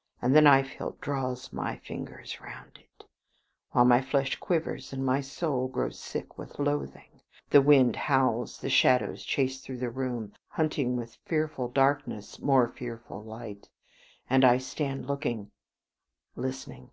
... And the knife hilt draws my fingers round it, while my flesh quivers, and my soul grows sick with loathing. The wind howls, the shadows chase through the room, hunting with fearful darkness more fearful light; and I stand looking, ... listening.